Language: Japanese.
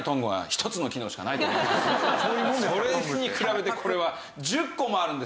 それに比べてこれは１０個もあるんです。